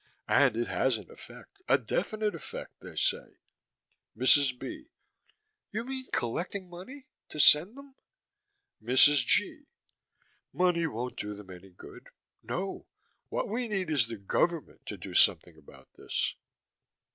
And it has an effect. A definite effect, they say. MRS. B.: You mean collecting money? To send them? MRS. G.: Money won't do them any good. No. What we need is the government, to do something about this.